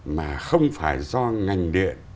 mà không phải do ngành điện